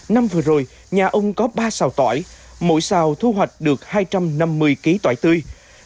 năm vừa rồi nhà ông có ba xào tỏi mỗi xào thu hoạch được hai trăm năm mươi kg tươi